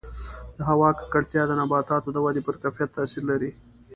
د هوا ککړتیا د نباتاتو د ودې پر کیفیت تاثیر لري.